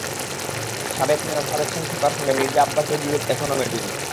সাবেক মেয়র সাদেক হোসেন খোকার সঙ্গে মির্জা আব্বাসের বিরোধ এখনো মেটেনি।